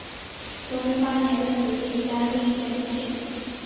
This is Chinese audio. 崇祯八年任直隶嘉定县知县。